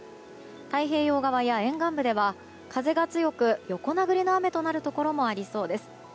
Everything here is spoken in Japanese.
太平洋側や沿岸部では風が強く、横殴りの雨となるところもありそうです。